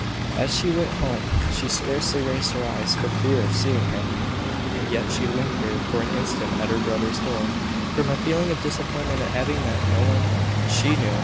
As she went home, she scarcely raised her eyes, for fear of seeing him; and yet she lingered for an instant at her brother's door, from a feeling of disappointment at having met no one she knew.